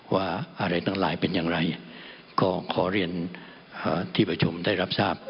ว่าอะไรทั้งหลายเป็นอย่างไรก็ขอเรียนที่ประชุมได้รับทราบ